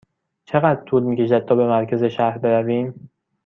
چقدر طول می کشد تا به مرکز شهر برویم؟